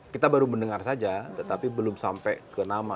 kita baru mendengar saja tetapi belum sampai ke nama